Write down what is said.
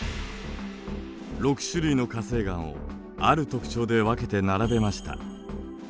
６種類の火成岩をある特徴で分けて並べました。